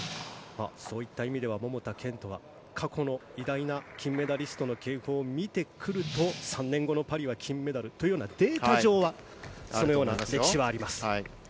そういった意味では桃田賢斗は過去の偉大な金メダリストの傾向を見てくると３年後のパリは金メダルというようなデータ上はそのような歴史はあります。